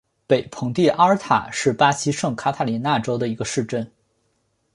北蓬蒂阿尔塔是巴西圣卡塔琳娜州的一个市镇。